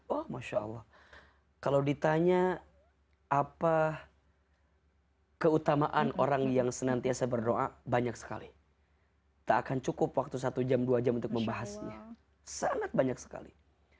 wah masya allah kalau ditanya apa keutamaan orang yang senantiasa berdoa banyak sekali